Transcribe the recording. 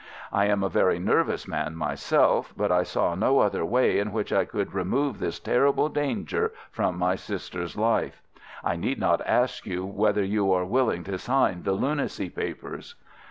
I am a very nervous man myself, but I saw no other way in which I could remove this terrible danger from my sister's life. I need not ask you whether you are willing to sign the lunacy papers."